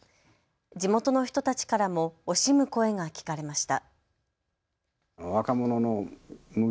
地元の人たちからも惜しむ声が聞かれました。